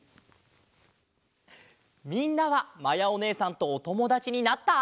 みんなはまやおねえさんとおともだちになった？